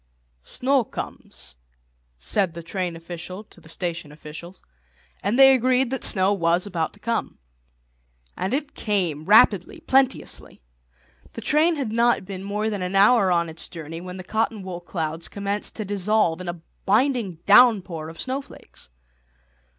"Snow comes," said the train official to the station officials; and they agreed that snow was about to come. And it came, rapidly, plenteously. The train had not been more than an hour on its journey when the cotton wool clouds commenced to dissolve in a blinding downpour of snowflakes.